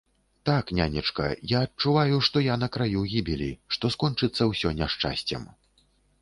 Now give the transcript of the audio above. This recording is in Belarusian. Так, нянечка, я адчуваю, што я на краю гібелі, што скончыцца ўсё няшчасцем!